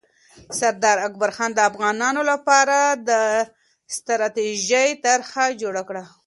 سردار اکبرخان د افغانانو لپاره د ستراتیژۍ طرحه جوړه کړه.